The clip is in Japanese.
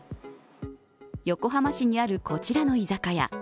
横浜市にあるこちらの居酒屋。